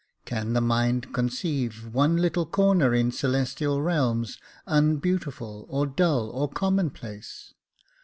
Can the mind conceive One little corner in celestial realms Unbeautiful, or dull or commonplace?